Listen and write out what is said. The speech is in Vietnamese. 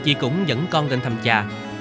chị cũng dẫn con lên thăm cha